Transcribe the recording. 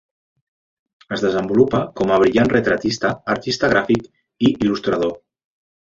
Es desenvolupa com a brillant retratista, artista gràfic i il·lustrador.